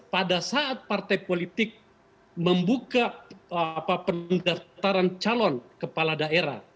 pada saat partai politik membuka pendaftaran calon kepala daerah